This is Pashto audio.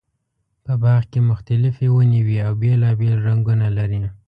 په باغ کې مختلفې ونې وي او بېلابېل رنګونه لري.